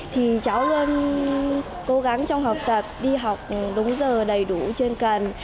thì cháu luôn cố gắng trong học tập đi học đúng giờ đầy đủ trên cần